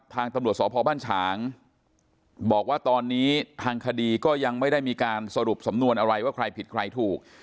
ทางตำรวจสพบ้านฉางบอกว่าตอนนี้ทางคดีก็ยังไม่ได้มีการสรุปสำนวนอะไรว่าใครผิดใครถูก